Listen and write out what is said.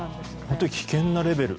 本当に危険なレベル。